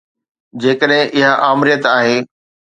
جيڪڏهن اها آمريت آهي.